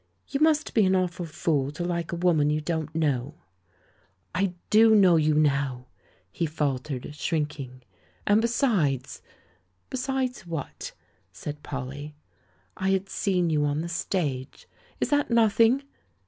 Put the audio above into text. "You must be an awful fool to like a woman you don't know !" "I do know you now,'* he faltered, shrinking. "And besides " "Besides — what?" said Polly. "I had seen you on the stage; is that nothing?"